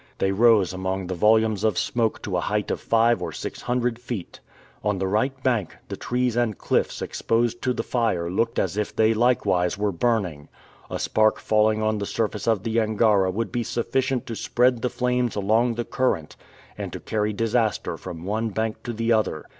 They rose among the volumes of smoke to a height of five or six hundred feet. On the right bank, the trees and cliffs exposed to the fire looked as if they likewise were burning. A spark falling on the surface of the Angara would be sufficient to spread the flames along the current, and to carry disaster from one bank to the other.